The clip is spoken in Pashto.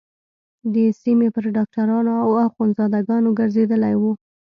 د سيمې پر ډاکترانو او اخوندزاده گانو گرځېدلې وه.